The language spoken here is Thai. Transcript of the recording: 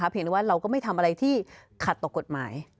เพียงแต่ว่าเราก็ไม่ทำอะไรที่ขัดต่อกฎหมาย